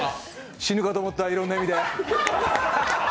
死ぬかと思ったいろんな意味で。